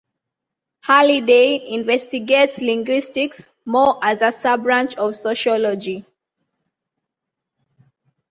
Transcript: Halliday investigates linguistics more as a sub-branch of "sociology".